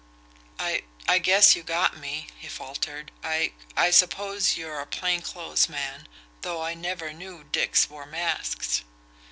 "I I guess you got me," he faltered "I I suppose you're a plain clothes man, though I never knew dicks wore masks."